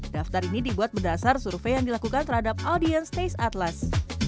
daftar ini dibuat berdasar survei yang dilakukan terhadap audiens taste atlas